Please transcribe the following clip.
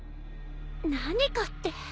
何かって。